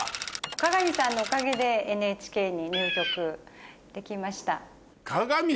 加賀美さんのおかげでＮＨＫに入局できました。